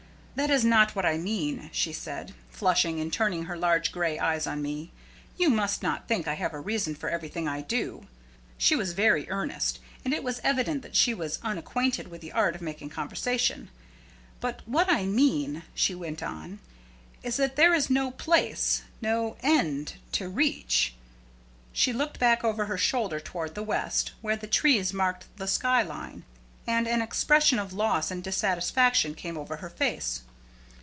"That is not what I mean," she said, flushing, and turning her large gray eyes on me. "You must not think I have a reason for everything I do." She was very earnest, and it was evident that she was unacquainted with the art of making conversation. "But what I mean," she went on, "is that there is no place no end to reach." She looked back over her shoulder toward the west, where the trees marked the sky line, and an expression of loss and dissatisfaction came over her face.